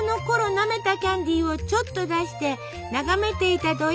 なめたキャンディーをちょっと出して眺めていたどいさん。